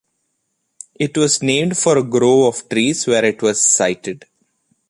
It was named for a grove of trees where it was sited.